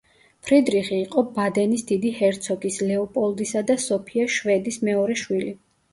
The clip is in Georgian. ფრიდრიხი იყო ბადენის დიდი ჰერცოგის, ლეოპოლდისა და სოფია შვედის მეორე შვილი.